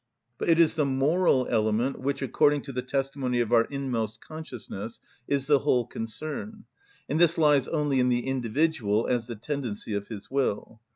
But it is the moral element which, according to the testimony of our inmost consciousness, is the whole concern: and this lies only in the individual as the tendency of his will.